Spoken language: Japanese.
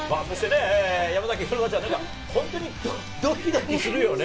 山崎紘菜ちゃん、本当にドキドキするよね。